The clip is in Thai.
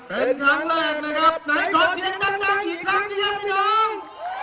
เป็นครั้งแรกนะครับไหนก่อนฉันนั่งดังอีกครั้งสินะพี่น้อง